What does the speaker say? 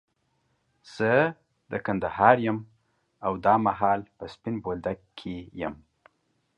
زه د کندهار يم، او دا مهال په سپين بولدک کي يم.